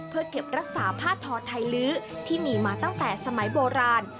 เพื่อเก็บรักษาผ้าทอไทยลื้อที่มีมาตั้งแต่สมัยโบราณ